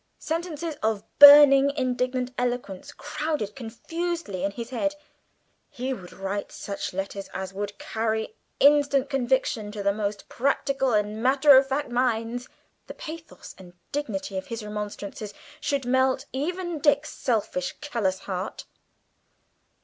Sentences of burning, indignant eloquence crowded confusedly into his head he would write such letters as would carry instant conviction to the most practical and matter of fact minds. The pathos and dignity of his remonstrances should melt even Dick's selfish, callous heart.